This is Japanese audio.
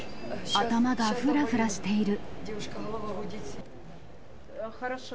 頭がふらふらしている。